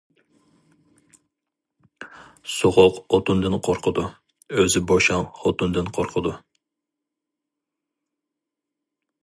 سوغۇق ئوتۇندىن قورقىدۇ، ئۆزى بوشاڭ خوتۇندىن قورقىدۇ.